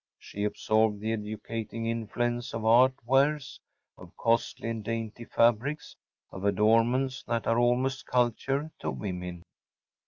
She absorbed the educating influence of art wares, of costly and dainty fabrics, of adornments that are almost culture to women.